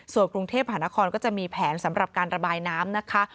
ส่วนกรุงเทพหานครก็จะมีแผนสำหรับการระบายน้ำนะคะ